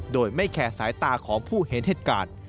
โดยไม่แคร์สายตาของผู้เห็นเหตุการณ์